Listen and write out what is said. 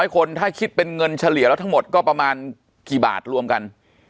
๐คนถ้าคิดเป็นเงินเฉลี่ยแล้วทั้งหมดก็ประมาณกี่บาทรวมกัน